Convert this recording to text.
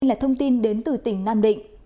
đây là thông tin đến từ tỉnh nam định